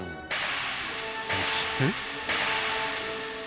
そして。